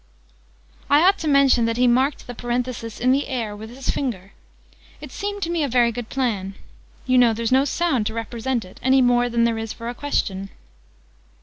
I ought to mention that he marked the parenthesis, in the air, with his finger. It seemed to me a very good plan. You know there's no sound to represent it any more than there is for a question.